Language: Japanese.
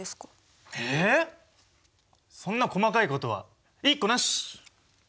えそんな細かいことは言いっこなし。